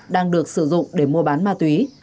đang được sử dụng để mua bán ma túy